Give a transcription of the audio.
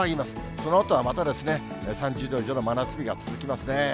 そのあとはまたですね、３０度以上の真夏日が続きますね。